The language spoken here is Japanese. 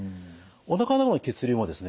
おなかの方の血流もですね